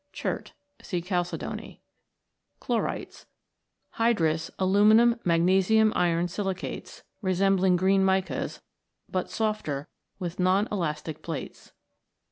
Chert. See Chalcedony. Chlorites. Hydrous aluminium magnesium iron silicates, re sembling green micas, but softer and with non elastic plates.